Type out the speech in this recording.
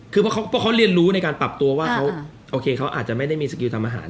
คือเพราะเขาเรียนรู้ในการปรับตัวว่าเขาโอเคเขาอาจจะไม่ได้มีสกิลทำอาหาร